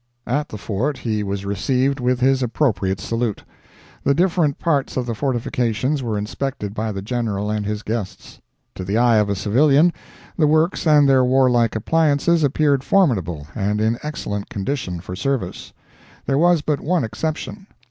—At the Fort he was received with his appropriate salute. The different parts of the fortifications were inspected by the General and his guests. To the eye of a civilian, the works and their warlike appliances appeared formidable and in excellent condition for service. There was but one exception.